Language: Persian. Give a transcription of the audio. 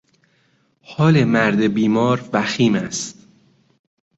حال مرد بیمار وخیم است.